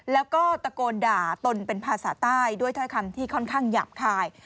แล้วก็ตะโกนด่าตนเป็นภาษาใต้ด้วยถ้อยคำที่ค่อนข้างหยาบคาย